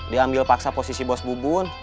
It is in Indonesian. dia ambil paksa posisi bos bubun